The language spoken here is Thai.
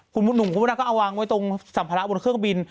คุณหนุ่มคุณพระนาก็เอาวางไว้ตรงสัมภาระบนเครื่องบิน